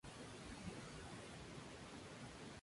Su nombre se refiere al municipio gallego de Monterrey.